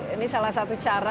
ini salah satu cara